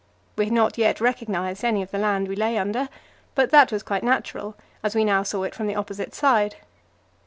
We had not yet recognized any of the land we lay under, but that was quite natural, as we now saw it from the opposite side.